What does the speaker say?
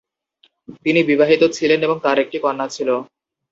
তিনি বিবাহিত ছিলেন এবং তাঁর একটি কন্যা ছিল।